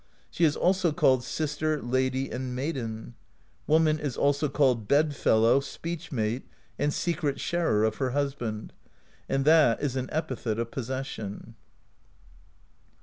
She is also called Sister, Lady,' and Maiden.' Woman is also called Bed Fellow, Speech Mate, and Secret Sharer of her husband; and that is an epithet of possession.